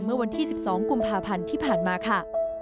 เมื่อวันที่๑๒กุมภาพันธ์ที่ผ่านมาค่ะ